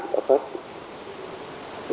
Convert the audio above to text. đã phát giả soát